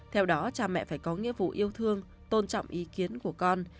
theo đó cha mẹ phải có nghĩa vụ yêu thương tôn trọng ý kiến của con